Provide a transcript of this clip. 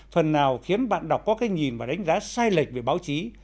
phần nào khiến bạn đọc có cái nhìn và đánh giá sai lệch về báo chí